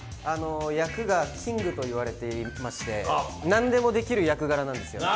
役がキングと呼ばれていまして、何でもできる役柄なんですよ。